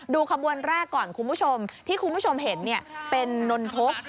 ขบวนแรกก่อนคุณผู้ชมที่คุณผู้ชมเห็นเป็นนนทก